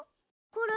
これ。